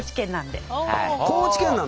高知県なの？